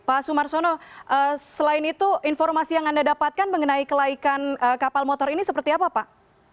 pak sumarsono selain itu informasi yang anda dapatkan mengenai kelaikan kapal motor ini seperti apa pak